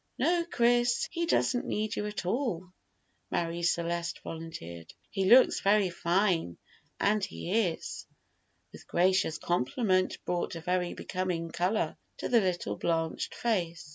"No, Chris, he doesn't need you at all," Marie Celeste volunteered; "he looks very fine as he is" (which gracious compliment brought a very becoming color to the little blanched face).